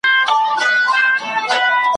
د دې قام د یو ځای کولو `